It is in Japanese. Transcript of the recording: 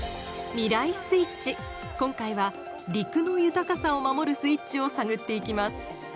今回は「陸の豊かさを守るスイッチ」を探っていきます。